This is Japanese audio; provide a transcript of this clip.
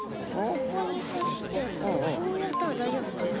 ここにさしてこうやったらだいじょうぶかな？